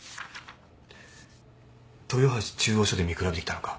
豊橋中央署で見比べてきたのか？